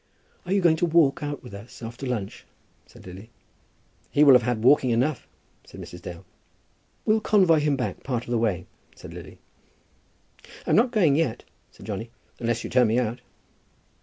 "Are you going to walk out with us after lunch?" said Lily. "He will have had walking enough," said Mrs. Dale. "We'll convoy him back part of the way," said Lily. "I'm not going yet," said Johnny, "unless you turn me out."